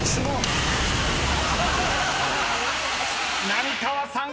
［浪川さん